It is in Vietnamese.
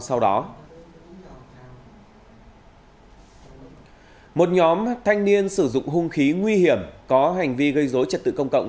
sau đó nhóm thanh niên sử dụng hung khí nguy hiểm có hành vi gây dối trật tự công cộng